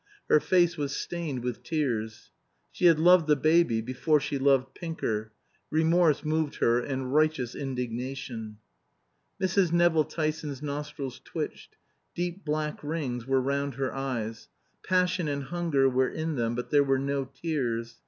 Her face was stained with tears. (She had loved the baby before she loved Pinker. Remorse moved her and righteous indignation.) Mrs. Nevill Tyson's nostrils twitched; deep black rings were round her eyes. Passion and hunger were in them, but there were no tears.